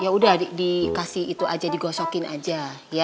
ya udah dikasih itu aja digosokin aja